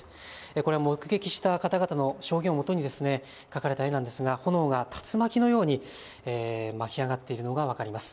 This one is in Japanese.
これは目撃した方々の証言をもとに描かれた絵なんですが炎が竜巻のように巻き上がっているのが分かります。